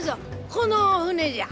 この船じゃ！